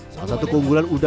salah satu keunggulan udang